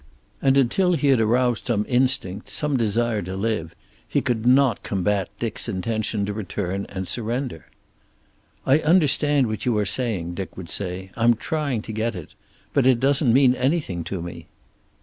And until he had aroused some instinct, some desire to live, he could not combat Dick's intention to return and surrender. "I understand what you are saying," Dick would say. "I'm trying to get it. But it doesn't mean anything to me."